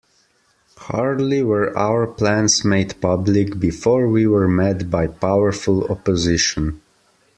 Hardly were our plans made public before we were met by powerful opposition.